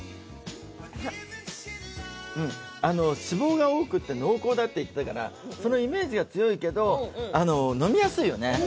脂肪が多くて濃厚だって言ってたからそのイメージが強いけど飲みやすいよね。